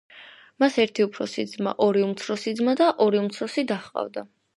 მას ერთი უფროსი ძმა, ორი უმცროსი ძმა და ორი უმცროსი და ჰყავდა.